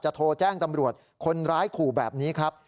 โทรแจ้งตำรวจคนร้ายขู่แบบนี้ครับ